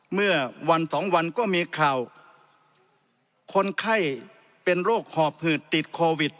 เมื่อวันสองวันก็มีข่าวคนไข้เป็นโรคหอบหืดติดโควิด